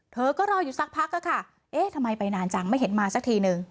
เธอก็รออยู่สักพักค่ะเอ๊ะทำไมไปนานจังไม่เห็นมาสักทีนึง